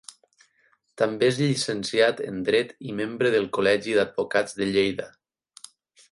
També és Llicenciat en Dret i membre del Col·legi d'Advocats de Lleida.